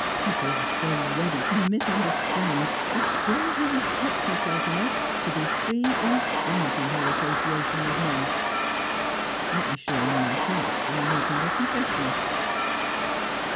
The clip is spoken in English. People are so ready to misunderstand a girl who respects herself enough to be free and frank in her association with men. Let me shame myself by making a confession.